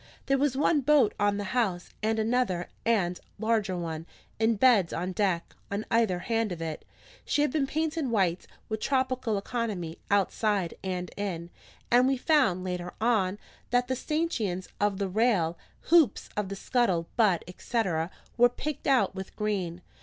There was one boat on the house, and another and larger one, in beds on deck, on either hand of it. She had been painted white, with tropical economy, outside and in; and we found, later on, that the stanchions of the rail, hoops of the scuttle but, etc., were picked out with green.